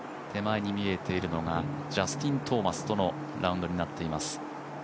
手前に見えているのがジャスティン・トーマスとのラウンドになっています。